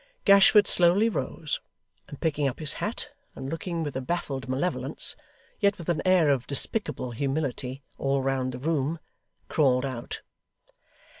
Gashford slowly rose; and picking up his hat, and looking with a baffled malevolence, yet with an air of despicable humility, all round the room, crawled out.